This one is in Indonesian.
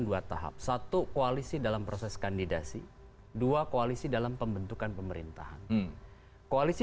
dua tahap satu koalisi dalam proses kandidasi dua koalisi dalam pembentukan pemerintahan koalisi